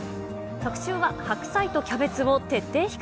特集は、白菜とキャベツを徹底比較。